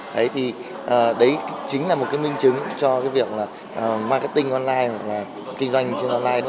đấy thì đấy chính là một cái minh chứng cho cái việc là marketing online hoặc là kinh doanh trên online